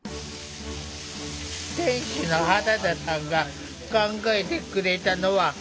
店主の原田さんが考えてくれたのは豚肉の香味焼き。